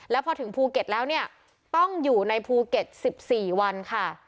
แล้วพอถึงภูเก็ตแล้วเนี่ยต้องอยู่ในภูเก็ต๑๔วันค่ะ